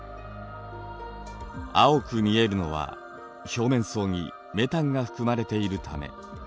青く見えるのは表面層にメタンが含まれているため。